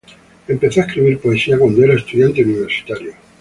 Empezó a escribir poesía cuando era estudiante universitario.